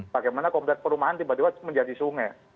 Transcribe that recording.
bagaimana komplek perumahan tiba tiba menjadi sungai